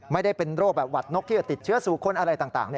ไม่ได้เป็นโรคแบบหวัดนกที่จะติดเชื้อสู่คนอะไรต่าง